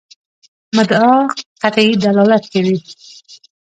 مدعا قطعي دلالت کوي.